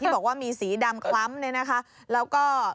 ที่บอกว่ามีสีดำคล้ำแล้วก็